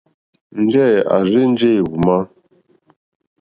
Njɛ̂ à rzênjé èhwùmá.